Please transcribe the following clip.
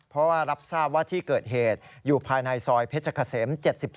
เพราะว่ารับทราบว่าที่เกิดเหตุอยู่ภายในซอยเพชรเกษม๗๒